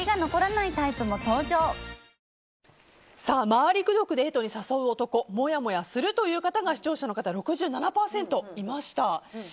回りくどくデートに誘う男もやもやするという方が視聴者の方６７％いました。